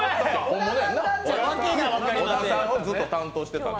小田さんをずっと担当してた。